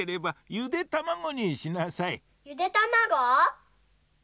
ゆでたまご？